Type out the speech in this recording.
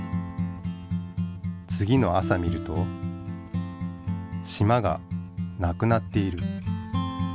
次の朝見るとしまが無くなっている。